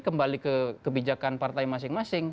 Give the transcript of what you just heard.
kembali ke kebijakan partai masing masing